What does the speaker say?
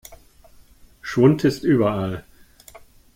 Schwund ist überall.